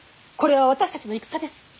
これは私たちの戦です。